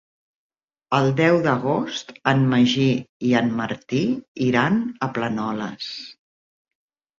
El deu d'agost en Magí i en Martí iran a Planoles.